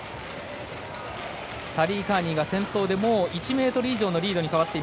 タリー・カーニーが先頭で１ｍ以上のリード。